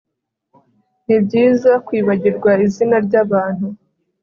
Ni byiza kwibagirwa izina ryabantu